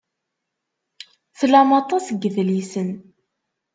Tlamt aṭas n yidlisen.